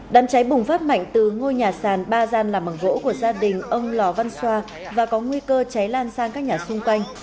đám cháy bùng phát mạnh từ ngôi nhà sàn ba gian làm bằng gỗ của gia đình ông lò văn xoa và có nguy cơ cháy lan sang các nhà xung quanh